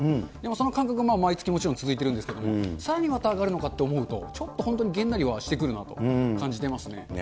その感覚は毎月もちろん続いてるんですけれども、さらにまた上がるのかって思うと、ちょっと本当にげんなりはしてくるなと感じてますね。